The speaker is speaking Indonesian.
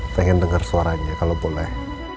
pengen dengar suaranya kalau boleh